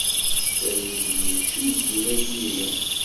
S talwit i d-yekcem ddin-agi-inem?